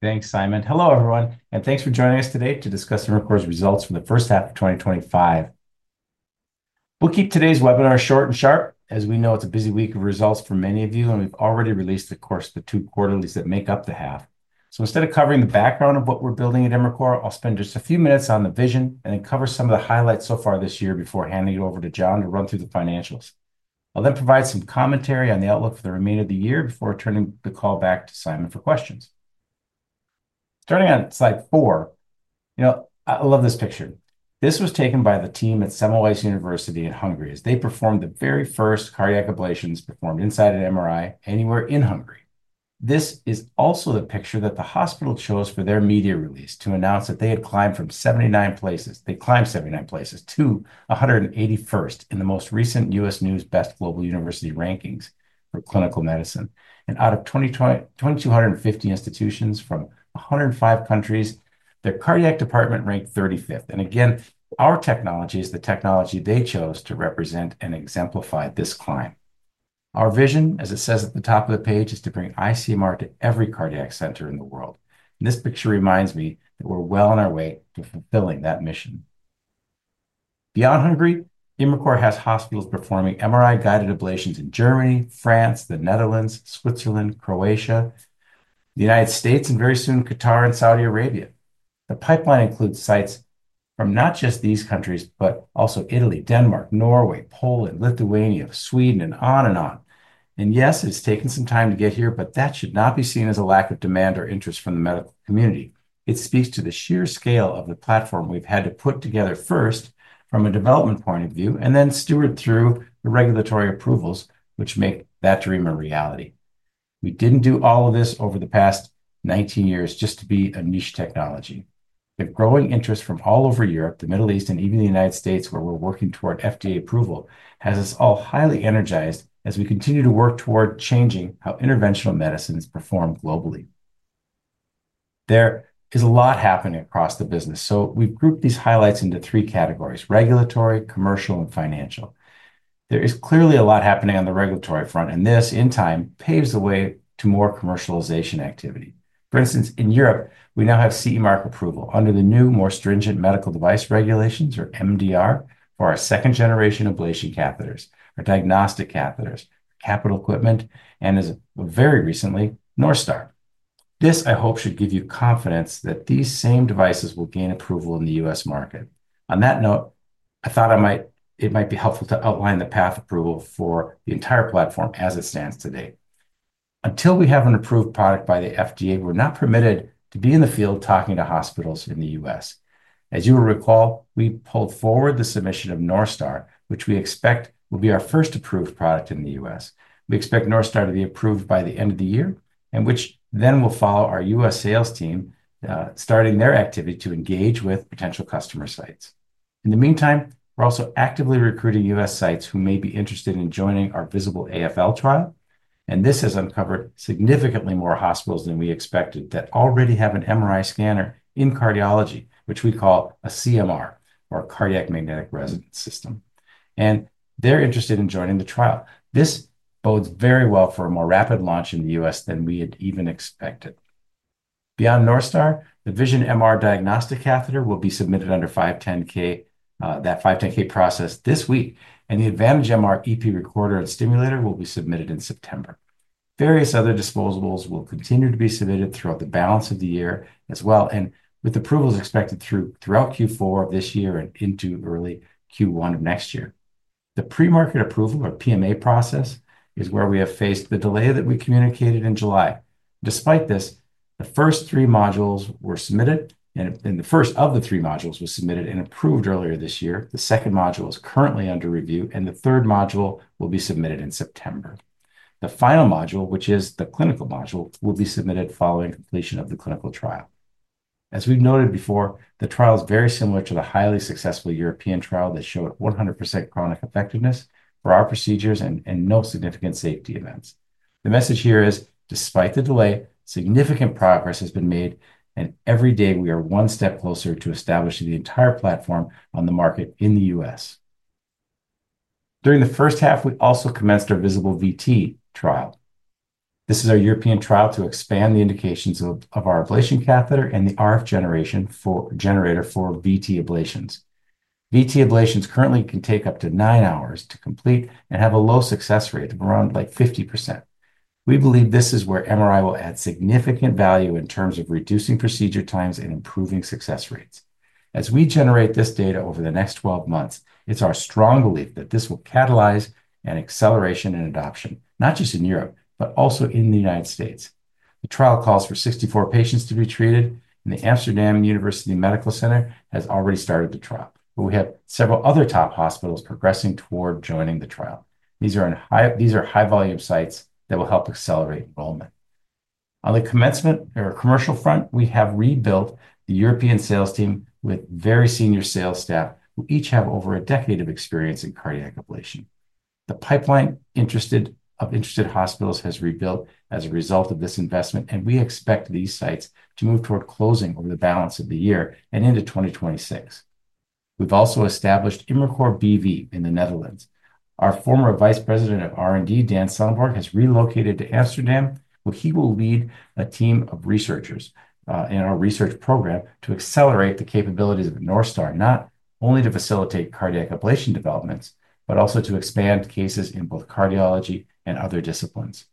Thanks, Simon. Hello everyone, and thanks for joining us today to discuss Imricor 's results for the first half of 2025. We'll keep today's webinar short and sharp. As we know, it's a busy week of results for many of you, and we've already released the course of the two quarterlies that make up the half. Instead of covering the background of what we're building at Imricor, I'll spend just a few minutes on the vision and then cover some of the highlights so far this year before handing it over to John to run through the financials. I'll then provide some commentary on the outlook for the remainder of the year before turning the call back to Simon for questions. Starting on slide four, I love this picture. This was taken by the team at Semmelweis University in Hungary as they performed the very first cardiac ablations performed inside an MRI anywhere in Hungary. This is also the picture that the hospital chose for their media release to announce that they had climbed from 79 places. They climbed 79 places to 181st in the most recent U.S. News Best Global University rankings for clinical medicine. Out of 2,250 institutions from 105 countries, their cardiac department ranked 35th. Again, our technology is the technology they chose to represent and exemplify this climb. Our vision, as it says at the top of the page, is to bring ICMR to every cardiac center in the world. This picture reminds me that we're well on our way to fulfilling that mission. Beyond Hungary, Imricor has hospitals performing MRI-guided ablations in Germany, France, the Netherlands, Switzerland, Croatia, the United States, and very soon Qatar and Saudi Arabia. The pipeline includes sites from not just these countries, but also Italy, Denmark, Norway, Poland, Lithuania, Sweden, and on and on. It's taken some time to get here, but that should not be seen as a lack of demand or interest from the medical community. It speaks to the sheer scale of the platform we've had to put together first from a development point of view and then steward through the regulatory approvals, which make that dream a reality. We didn't do all of this over the past 19 years just to be a niche technology. The growing interest from all over Europe, the Middle East, and even the United States, where we're working toward FDA approval, has us all highly energized as we continue to work toward changing how interventional medicine is performed globally. There is a lot happening across the business, so we've grouped these highlights into three categories: regulatory, commercial, and financial. There is clearly a lot happening on the regulatory front, and this, in time, paves the way to more commercialization activity. For instance, in Europe, we now have CE Mark approval under the new, more stringent Medical Device Regulation, or MDR, for our second-generation ablation catheters, our diagnostic catheters, capital equipment, and as very recently, Northstar. This, I hope, should give you confidence that these same devices will gain approval in the U.S. market. On that note, I thought it might be helpful to outline the path to approval for the entire platform as it stands today. Until we have an approved product by the FDA, we're not permitted to be in the field talking to hospitals in the U.S. As you will recall, we pulled forward the submission of Northstar, which we expect will be our first approved product in the U.S. We expect Northstar to be approved by the end of the year, and which then will follow our U.S. sales team starting their activity to engage with potential customer sites. In the meantime, we're also actively recruiting U.S. sites who may be interested in joining our visible AFL trial, and this has uncovered significantly more hospitals than we expected that already have an MRI scanner in cardiology, which we call a CMR, or a cardiac magnetic resonance system, and they're interested in joining the trial. This bodes very well for a more rapid launch in the U.S. than we had even expected. Beyond Northstar, the Vision-MR diagnostic catheter will be submitted under 510(k), that 510(k) process this week, and the Advantage-MR EP Recorder/Stimulator system will be submitted in September. Various other disposables will continue to be submitted throughout the balance of the year as well, with approvals expected throughout Q4 of this year and into early Q1 of next year. The pre-market approval, or PMA, process is where we have faced the delay that we communicated in July. Despite this, the first three modules were submitted, and the first of the three modules was submitted and approved earlier this year. The second module is currently under review, and the third module will be submitted in September. The final module, which is the clinical module, will be submitted following completion of the clinical trial. As we've noted before, the trial is very similar to the highly successful European trial that showed 100% chronic effectiveness for our procedures and no significant safety events. The message here is, despite the delay, significant progress has been made, and every day we are one step closer to establishing the entire platform on the market in the U.S. During the first half, we also commenced our visible VT trial. This is our European trial to expand the indications of our ablation catheter and the RF generator for VT ablations. VT ablations currently can take up to nine hours to complete and have a low success rate of around 50%. We believe this is where MRI will add significant value in terms of reducing procedure times and improving success rates. As we generate this data over the next 12 months, it's our strong belief that this will catalyze an acceleration in adoption, not just in Europe, but also in the United States. The trial calls for 64 patients to be treated, and the Amsterdam University Medical Center has already started the trial. We have several other top hospitals progressing toward joining the trial. These are high-volume sites that will help accelerate enrollment. On the commercial front, we have rebuilt the European sales team with very senior sales staff who each have over a decade of experience in cardiac ablation. The pipeline of interested hospitals has rebuilt as a result of this investment, and we expect these sites to move toward closing over the balance of the year and into 2026. We've also established Imricor BV in the Netherlands. Our former Vice President of R&D, Dan Sunnarborg, has relocated to Amsterdam, where he will lead a team of researchers in our research program to accelerate the capabilities of Northstar, not only to facilitate cardiac ablation developments, but also to expand cases in both cardiology and other disciplines.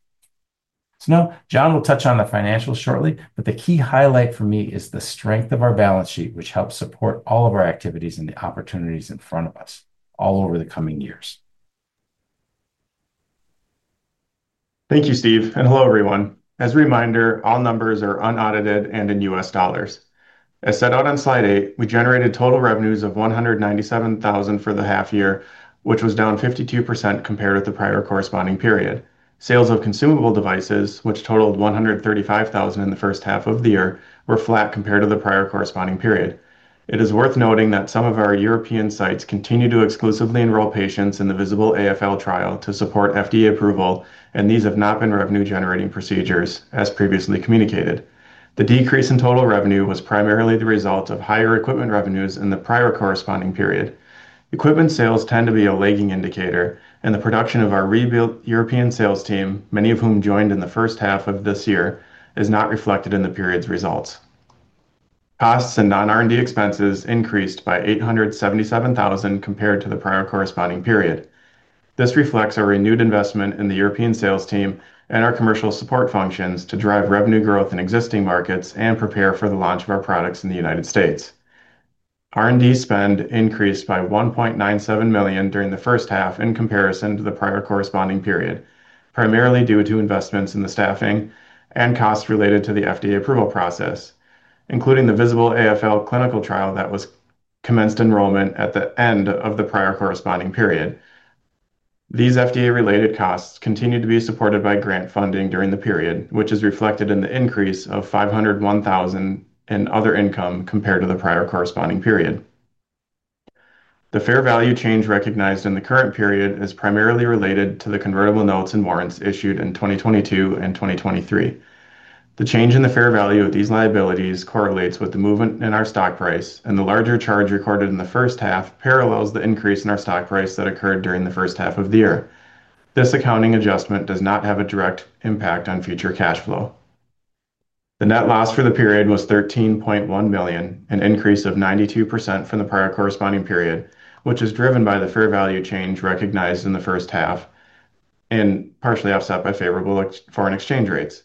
John will touch on the financials shortly, but the key highlight for me is the strength of our balance sheet, which helps support all of our activities and the opportunities in front of us all over the coming years. Thank you, Steve, and hello everyone. As a reminder, all numbers are unaudited and in U.S. dollars. As set out on slide eight, we generated total revenues of $197,000 for the half year, which was down 52% compared with the prior corresponding period. Sales of consumable devices, which totaled $135,000 in the first half of the year, were flat compared to the prior corresponding period. It is worth noting that some of our European sites continue to exclusively enroll patients in the visible AFL trial to support FDA approval, and these have not been revenue-generating procedures, as previously communicated. The decrease in total revenue was primarily the result of higher equipment revenues in the prior corresponding period. Equipment sales tend to be a lagging indicator, and the production of our rebuilt European sales team, many of whom joined in the first half of this year, is not reflected in the period's results. Costs and non-R&D expenses increased by $877,000 compared to the prior corresponding period. This reflects our renewed investment in the European sales team and our commercial support functions to drive revenue growth in existing markets and prepare for the launch of our products in the United States. R&D spend increased by $1.97 million during the first half in comparison to the prior corresponding period, primarily due to investments in the staffing and costs related to the FDA approval process, including the visible AFL clinical trial that was commenced enrollment at the end of the prior corresponding period. These FDA-related costs continue to be supported by grant funding during the period, which is reflected in the increase of $501,000 in other income compared to the prior corresponding period. The fair value change recognized in the current period is primarily related to the convertible notes and warrants issued in 2022 and 2023. The change in the fair value of these liabilities correlates with the movement in our stock price, and the larger charge recorded in the first half parallels the increase in our stock price that occurred during the first half of the year. This accounting adjustment does not have a direct impact on future cash flow. The net loss for the period was $13.1 million, an increase of 92% from the prior corresponding period, which is driven by the fair value change recognized in the first half and partially offset by favorable foreign exchange rates.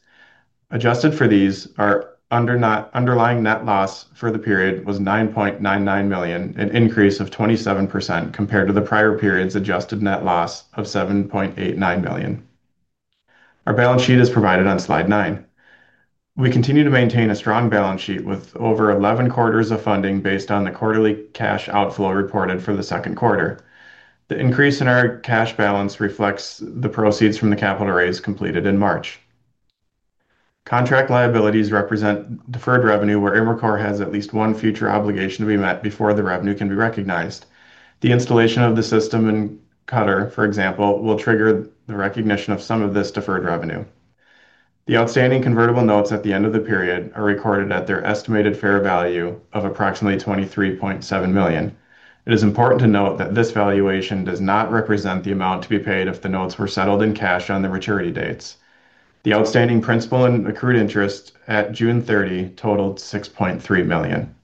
Adjusted for these, our underlying net loss for the period was $9.99 million, an increase of 27% compared to the prior period's adjusted net loss of $7.89 million. Our balance sheet is provided on slide nine. We continue to maintain a strong balance sheet with over 11 quarters of funding based on the quarterly cash outflow reported for the second quarter. The increase in our cash balance reflects the proceeds from the capital raise completed in March. Contract liabilities represent deferred revenue where Imricor has at least one future obligation to be met before the revenue can be recognized. The installation of the system and cutter, for example, will trigger the recognition of some of this deferred revenue. The outstanding convertible notes at the end of the period are recorded at their estimated fair value of approximately $23.7 million. It is important to note that this valuation does not represent the amount to be paid if the notes were settled in cash on the maturity dates. The outstanding principal and accrued interest at June 30 totaled $6.3 million.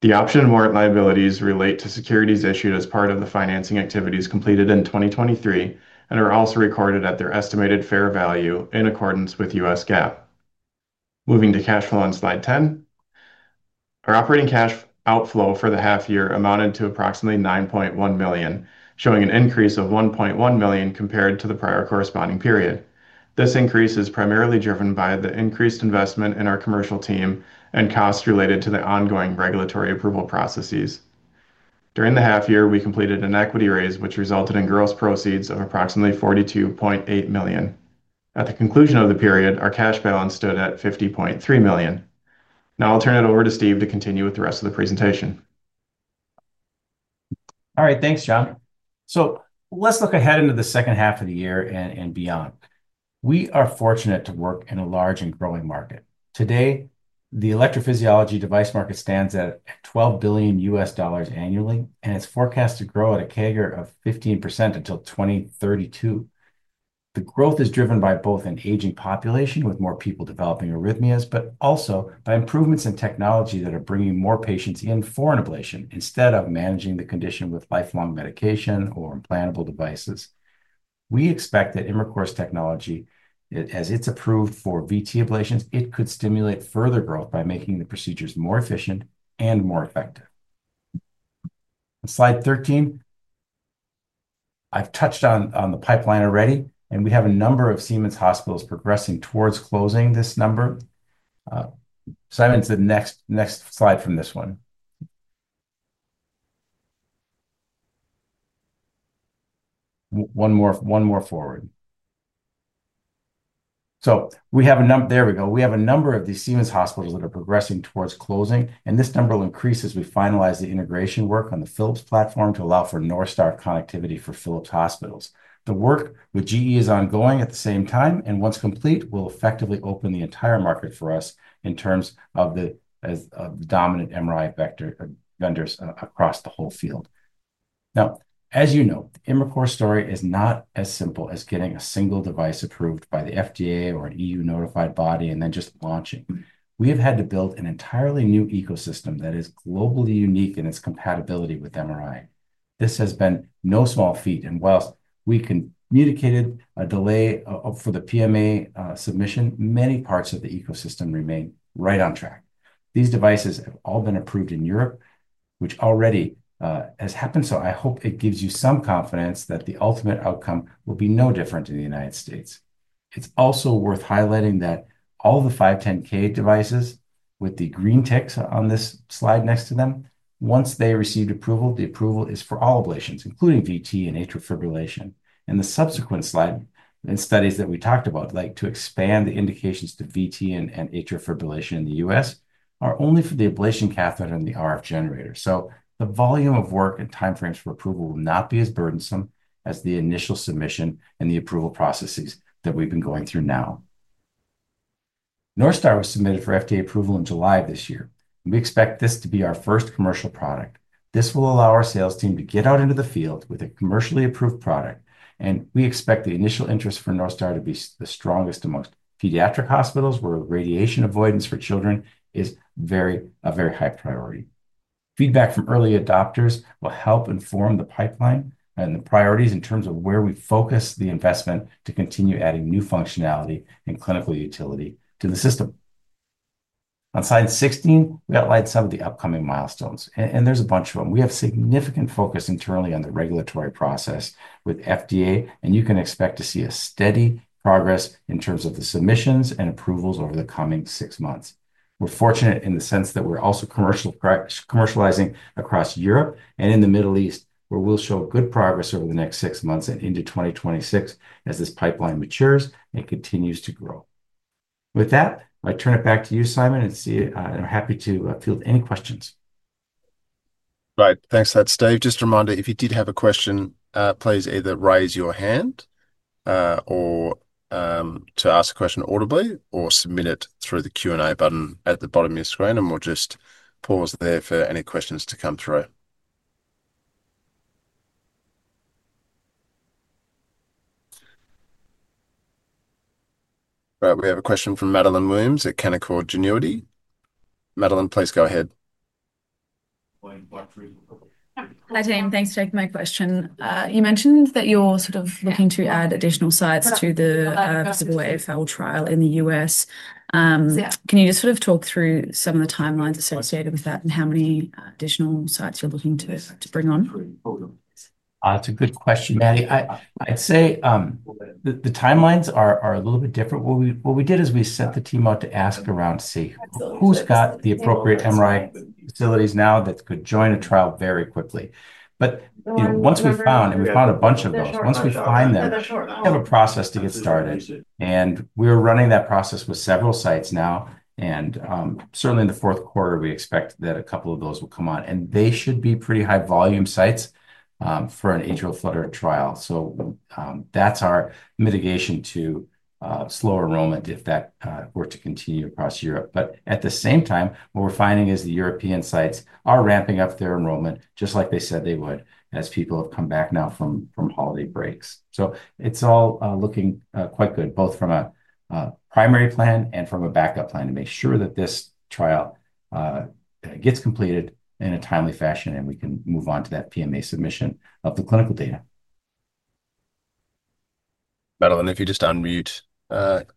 The option and warrant liabilities relate to securities issued as part of the financing activities completed in 2023 and are also recorded at their estimated fair value in accordance with U.S. GAAP. Moving to cash flow on slide 10, our operating cash outflow for the half year amounted to approximately $9.1 million, showing an increase of $1.1 million compared to the prior corresponding period. This increase is primarily driven by the increased investment in our commercial team and costs related to the ongoing regulatory approval processes. During the half year, we completed an equity raise which resulted in gross proceeds of approximately $42.8 million. At the conclusion of the period, our cash balance stood at $50.3 million. Now I'll turn it over to Steve to continue with the rest of the presentation. All right, thanks, John. Let's look ahead into the second half of the year and beyond. We are fortunate to work in a large and growing market. Today, the electrophysiology device market stands at $12 billion annually, and it's forecast to grow at a CAGR of 15% until 2032. The growth is driven by both an aging population with more people developing arrhythmias, but also by improvements in technology that are bringing more patients in for an ablation instead of managing the condition with lifelong medication or implantable devices. We expect that Imricor's technology, as it's approved for VT ablations, could stimulate further growth by making the procedures more efficient and more effective. Slide 13. I've touched on the pipeline already, and we have a number of Siemens hospitals progressing towards closing this number. Simon, the next slide from this one. One more forward. There we go, we have a number of these Siemens hospitals that are progressing towards closing, and this number will increase as we finalize the integration work on the Philips platform to allow for Northstar connectivity for Philips hospitals. The work with GE is ongoing at the same time, and once complete, we'll effectively open the entire market for us in terms of the dominant MRI vendors across the whole field. As you know, Imricor's story is not as simple as getting a single device approved by the FDA or an EU-notified body and then just launching. We have had to build an entirely new ecosystem that is globally unique in its compatibility with MRI. This has been no small feat, and whilst we communicated a delay for the PMA submission, many parts of the ecosystem remain right on track. These devices have all been approved in Europe, which already has happened, so I hope it gives you some confidence that the ultimate outcome will be no different in the United States. It's also worth highlighting that all the 510(k) devices with the green ticks on this slide next to them, once they receive approval, the approval is for all ablations, including VT and atrial fibrillation. The subsequent slide and studies that we talked about, like to expand the indications to VT and atrial fibrillation in the U.S., are only for the ablation catheter and the RF generator. The volume of work and timeframes for approval will not be as burdensome as the initial submission and the approval processes that we've been going through now. Northstar was submitted for FDA approval in July of this year. We expect this to be our first commercial product. This will allow our sales team to get out into the field with a commercially approved product, and we expect the initial interest for Northstar to be the strongest amongst pediatric hospitals where radiation avoidance for children is a very high priority. Feedback from early adopters will help inform the pipeline and the priorities in terms of where we focus the investment to continue adding new functionality and clinical utility to the system. On slide 16, we outline some of the upcoming milestones, and there's a bunch of them. We have significant focus internally on the regulatory process with FDA, and you can expect to see steady progress in terms of the submissions and approvals over the coming six months. We're fortunate in the sense that we're also commercializing across Europe and in the Middle East, where we'll show good progress over the next six months and into 2026 as this pipeline matures and continues to grow. With that, I turn it back to you, Simon, and I'm happy to field any questions. Right, thanks, that's Steve. Just a reminder, if you did have a question, please either raise your hand to ask a question audibly or submit it through the Q&A button at the bottom of your screen, and we'll just pause there for any questions to come through. Right, we have a question from Madeline Williams at Canaccord Genuity. Madeline, please go ahead. Hi James, thanks for taking my question. You mentioned that you're sort of looking to add additional sites to the visible AFL trial in the U.S. Can you just sort of talk through some of the timelines associated with that and how many additional sites you're looking to bring on? It's a good question, Maddie. I'd say the timelines are a little bit different. What we did is we sent the team out to ask around to see who's got the appropriate MRI facilities now that could join a trial very quickly. Once we found, and we found a bunch of those, once we find them, we have a process to get started. We're running that process with several sites now, and certainly in the fourth quarter, we expect that a couple of those will come on. They should be pretty high volume sites for an atrial flutter trial. That's our mitigation to slow enrollment if that were to continue across Europe. At the same time, what we're finding is the European sites are ramping up their enrollment just like they said they would as people have come back now from holiday breaks. It's all looking quite good, both from a primary plan and from a backup plan to make sure that this trial gets completed in a timely fashion and we can move on to that PMA submission of the clinical data. Madeline, if you just unmute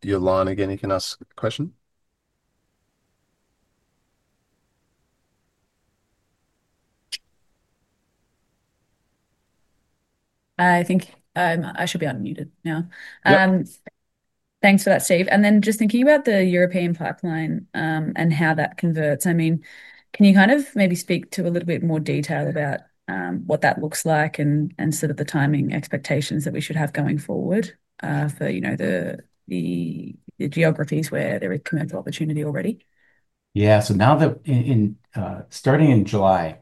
your line again, you can ask a question. I think I should be unmuted now. Thanks for that, Steve. Just thinking about the European pipeline and how that converts, can you maybe speak to a little bit more detail about what that looks like and the timing expectations that we should have going forward for the geographies where there is commercial opportunity already? Yeah, so now that starting in July,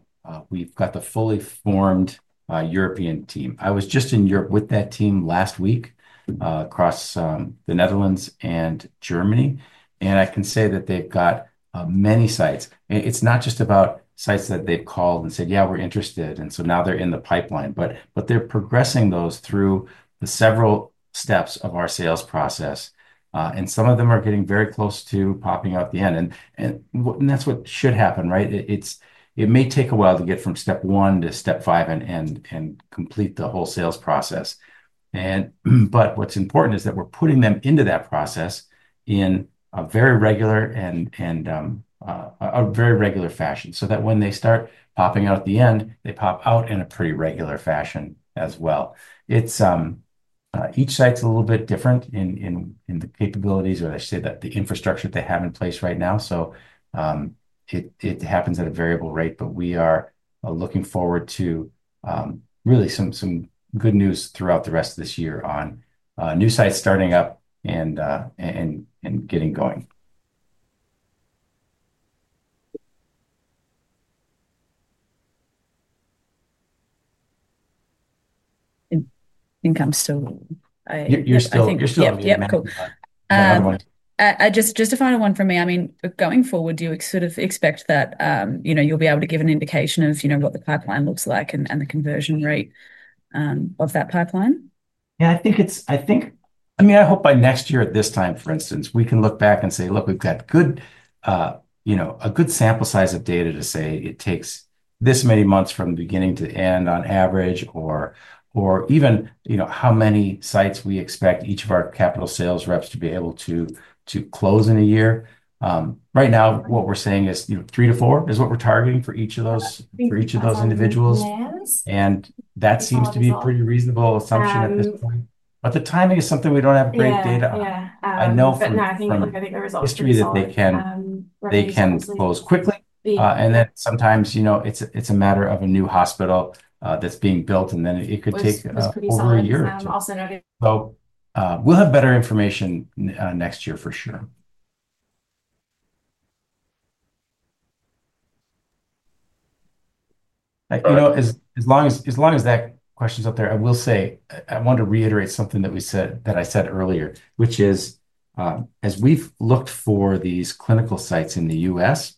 we've got the fully formed European team. I was just in Europe with that team last week across the Netherlands and Germany, and I can say that they've got many sites. It's not just about sites that they've called and said, yeah, we're interested, and so now they're in the pipeline, but they're progressing those through the several steps of our sales process, and some of them are getting very close to popping out the end, and that's what should happen, right? It may take a while to get from step one to step five and complete the whole sales process. What's important is that we're putting them into that process in a very regular fashion so that when they start popping out the end, they pop out in a pretty regular fashion as well. Each site's a little bit different in the capabilities or I should say the infrastructure they have in place right now, so it happens at a variable rate, but we are looking forward to really some good news throughout the rest of this year on new sites starting up and getting going. I think I'm still. You're still. Just a final one for me. I mean, going forward, do you sort of expect that you'll be able to give an indication of what the pipeline looks like and the conversion rate of that pipeline? I think, I mean, I hope by next year at this time, for instance, we can look back and say, look, we've got a good sample size of data to say it takes this many months from beginning to end on average, or even, you know, how many sites we expect each of our capital sales reps to be able to close in a year. Right now, what we're saying is, you know, three to four is what we're targeting for each of those individuals. That seems to be a pretty reasonable assumption at this point. The timing is something we don't have great data. I know from industry that they can close quickly. Sometimes, you know, it's a matter of a new hospital that's being built, and then it could take over a year too. We'll have better information next year for sure. As long as that question's up there, I want to reiterate something that we said, that I said earlier, which is, as we've looked for these clinical sites in the U.S.,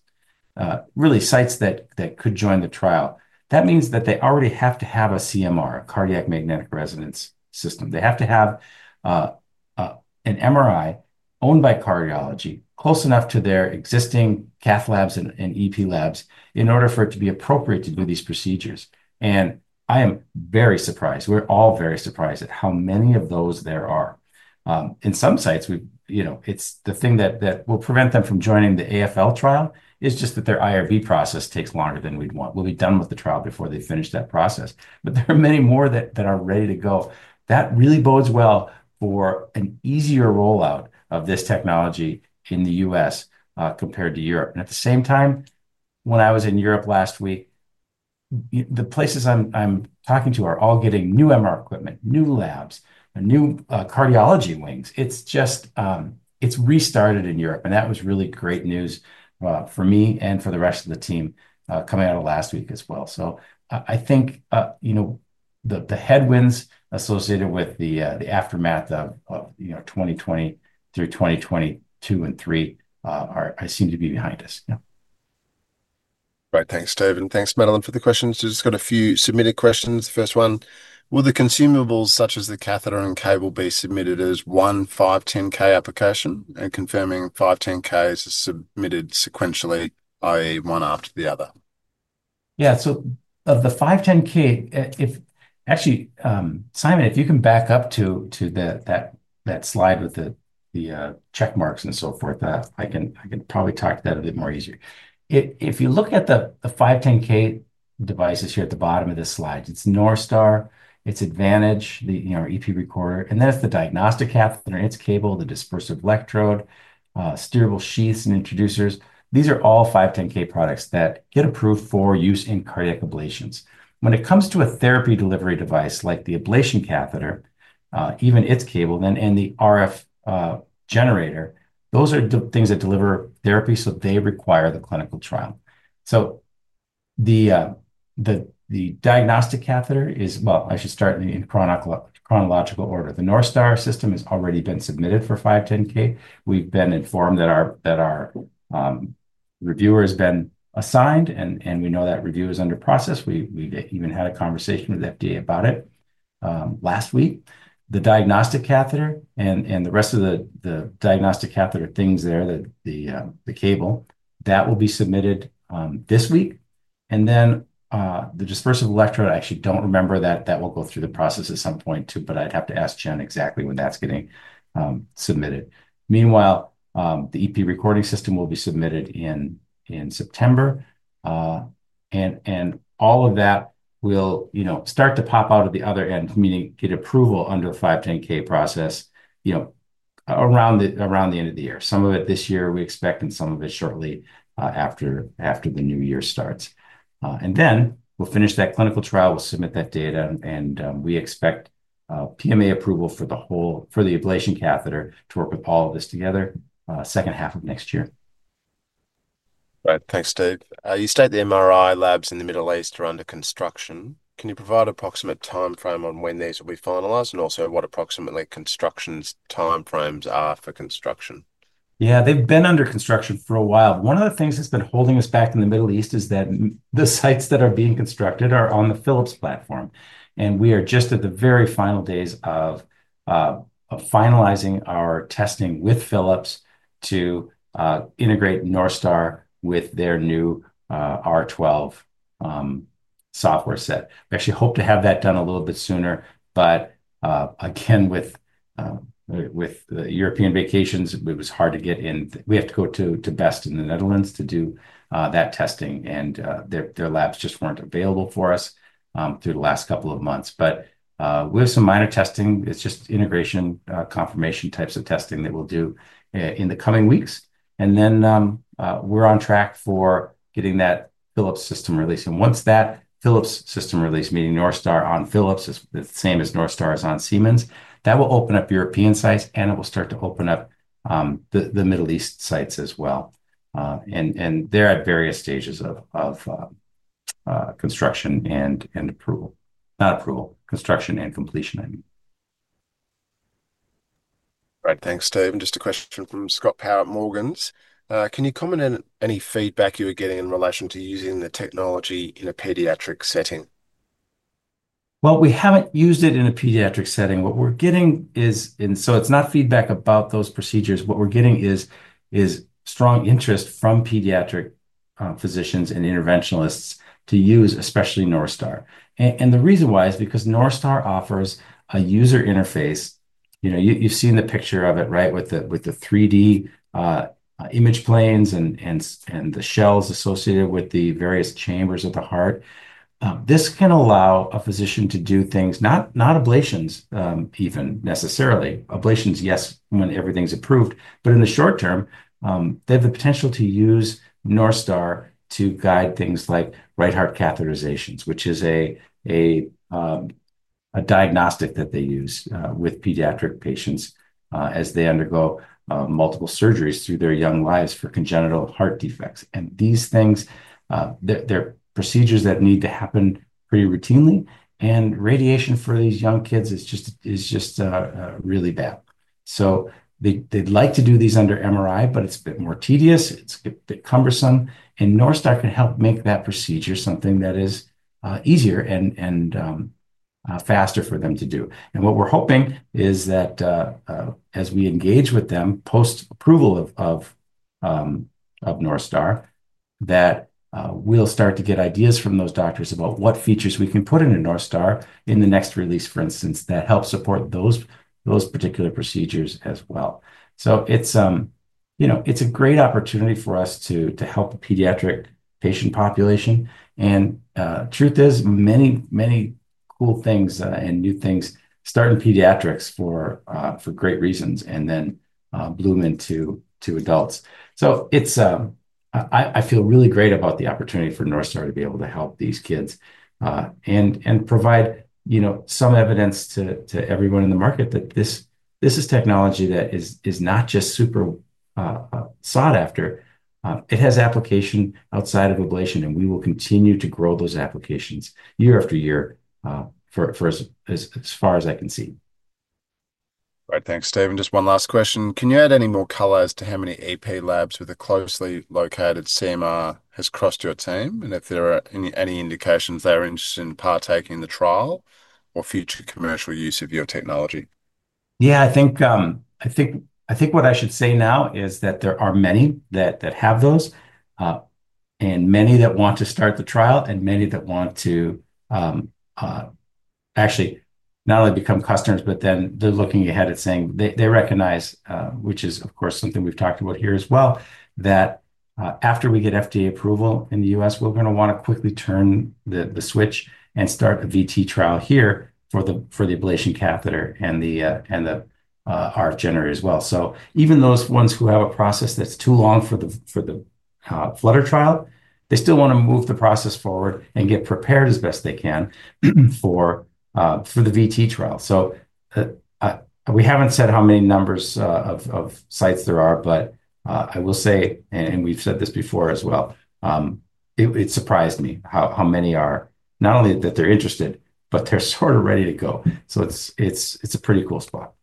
really sites that could join the trial, that means that they already have to have a CMR, a cardiac magnetic resonance system. They have to have an MRI owned by cardiology, close enough to their existing cath labs and EP labs, in order for it to be appropriate to do these procedures. I am very surprised. We're all very surprised at how many of those there are. In some sites, it's the thing that will prevent them from joining the AFL trial, just that their IRB process takes longer than we'd want. We'll be done with the trial before they finish that process. There are many more that are ready to go. That really bodes well for an easier rollout of this technology in the U.S. compared to Europe. At the same time, when I was in Europe last week, the places I'm talking to are all getting new MR equipment, new labs, new cardiology wings. It's restarted in Europe, and that was really great news for me and for the rest of the team coming out of last week as well. I think the headwinds associated with the aftermath of 2020 through 2022 and 2023 seem to be behind us. Right, thanks Steve, and thanks Madeline for the questions. We've just got a few submitted questions. The first one, will the consumables such as the catheter and cable be submitted as one 510(k) application and confirming 510(k)s are submitted sequentially, i.e., one after the other? Yeah, so of the 510(k), Simon, if you can back up to that slide with the check marks and so forth, I can probably talk to that a bit more easily. If you look at the 510(k) devices here at the bottom of this slide, it's Northstar, it's Advantage-MR EP Recorder/Stimulator system, and then it's the diagnostic catheter and its cable, the Dispersive Electrode, steerable sheaths, and introducers. These are all 510(k) products that get approved for use in cardiac ablations. When it comes to a therapy delivery device like the Ablation Catheter, even its cable, and the RF generator, those are the things that deliver therapy, so they require the clinical trial. The diagnostic catheter is, actually, I should start in chronological order. The Northstar system has already been submitted for 510(k).We've been informed that our reviewer has been assigned, and we know that review is under process. We even had a conversation with FDA about it last week. The diagnostic catheter and the rest of the diagnostic catheter things there, the cable, that will be submitted this week. The Dispersive Electrode, I actually don't remember, that will go through the process at some point too, but I'd have to ask Jen exactly when that's getting submitted. Meanwhile, the EP Recorder system will be submitted in September, and all of that will start to pop out of the other end, meaning get approval under a 510(k) process, around the end of the year. Some of it this year, we expect, and some of it shortly after the new year starts. We will finish that clinical trial, we'll submit that data, and we expect PMA approval for the Ablation Catheter to work with all of this together second half of next year. Right, thanks Steve. You said the MRI labs in the Middle East are under construction. Can you provide an approximate timeframe on when these will be finalized, and also what approximately construction timeframes are for construction? Yeah, they've been under construction for a while. One of the things that's been holding us back in the Middle East is that the sites that are being constructed are on the Philips platform, and we are just at the very final days of finalizing our testing with Philips to integrate Northstar with their new R12 software set. We actually hope to have that done a little bit sooner, but with European vacations, it was hard to get in. We have to go to BEST in the Netherlands to do that testing, and their labs just weren't available for us through the last couple of months. We have some minor testing. It's just integration confirmation types of testing that we'll do in the coming weeks. We're on track for getting that Philips system released. Once that Philips system release, meaning Northstar on Philips, is the same as Northstar is on Siemens, that will open up European sites, and it will start to open up the Middle East sites as well. They're at various stages of construction and completion, I mean. Right, thanks Steve. A question from Scott Power at Morgan's. Can you comment on any feedback you were getting in relation to using the technology in a pediatric setting? We haven't used it in a pediatric setting. What we're getting is, and so it's not feedback about those procedures. What we're getting is strong interest from pediatric physicians and interventionalists to use especially Northstar. The reason why is because Northstar offers a user interface. You've seen the picture of it, right, with the 3D image planes and the shells associated with the various chambers of the heart. This can allow a physician to do things, not ablations even necessarily. Ablations, yes, when everything's approved. In the short term, they have the potential to use Northstar to guide things like right heart catheterizations, which is a diagnostic that they use with pediatric patients as they undergo multiple surgeries through their young lives for congenital heart defects. These things, they're procedures that need to happen pretty routinely, and radiation for these young kids is just really bad. They'd like to do these under MRI, but it's a bit more tedious, it's a bit cumbersome, and Northstar can help make that procedure something that is easier and faster for them to do. What we're hoping is that as we engage with them post approval of Northstar, we'll start to get ideas from those doctors about what features we can put into Northstar in the next release, for instance, that help support those particular procedures as well. It's a great opportunity for us to help the pediatric patient population. Truth is, many, many cool things and new things start in pediatrics for great reasons and then bloom into adults. I feel really great about the opportunity for Northstar to be able to help these kids and provide, you know, some evidence to everyone in the market that this is technology that is not just super sought after. It has application outside of ablation, and we will continue to grow those applications year after year for as far as I can see. Right, thanks Steve. Just one last question. Can you add any more color to how many EP labs with a closely located CMR have crossed your team, and if there are any indications they're interested in partaking in the trial or future commercial use of your technology? I think what I should say now is that there are many that have those, and many that want to start the trial, and many that want to actually not only become customers, but then they're looking ahead at saying they recognize, which is of course something we've talked about here as well, that after we get FDA approval in the U.S., we're going to want to quickly turn the switch and start a VT trial here for the ablation catheter and the RF generator as well. Even those ones who have a process that's too long for the flutter trial still want to move the process forward and get prepared as best they can for the VT trial. We haven't said how many numbers of sites there are, but I will say, and we've said this before as well, it surprised me how many are not only that they're interested, but they're sort of ready to go. It's a pretty cool spot.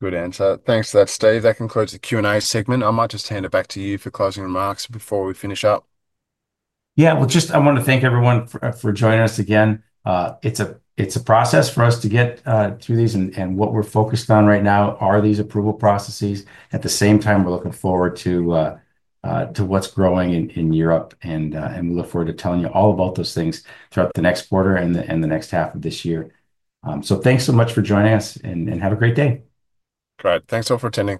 Good answer. Thanks for that, Steve. That concludes the Q&A segment. I might just hand it back to you for closing remarks before we finish up. I want to thank everyone for joining us again. It's a process for us to get through these, and what we're focused on right now are these approval processes. At the same time, we're looking forward to what's growing in Europe, and we look forward to telling you all about those things throughout the next quarter and the next half of this year. Thanks so much for joining us, and have a great day. All right, thanks all for attending.